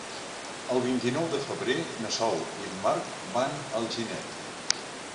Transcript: El vint-i-nou de febrer na Sol i en Marc van a Alginet.